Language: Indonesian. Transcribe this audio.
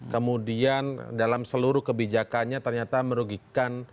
kemudian dalam seluruh kebijakannya ternyata merugikan